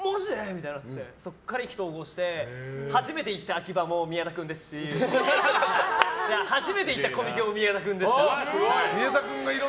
みたいになってそこから意気投合して初めて行ったアキバも宮田君ですし初めて行ったコミケも宮田君でした。